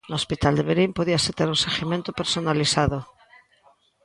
No Hospital de Verín podíase ter un seguimento personalizado.